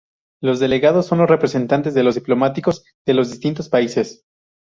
Los delegados son los representantes de los diplomáticos de los distintos países.